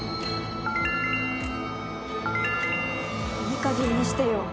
いいかげんにしてよ！